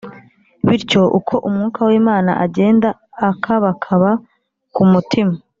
bityo uko mwuka w’imana agenda akabakaba ku mutima,